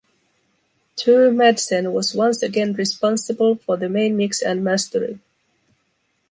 Tue Madsen was once again responsible for the main mix and mastering.